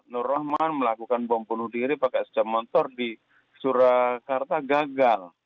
nur rahman melakukan bom bunuh diri pakai secam motor di surakarta gagal